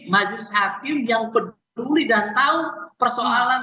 majelis hakim yang peduli dan tahu persoalan